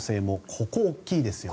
ここが大きいですよね。